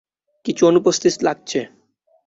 কিছু অনুপস্থিত লাগছে।